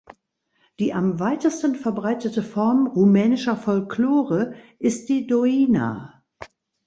Die am weitesten verbreitete Form rumänischer Folklore ist die Doina.